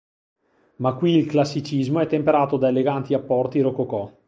Ma qui il classicismo è temperato da eleganti apporti Rococò.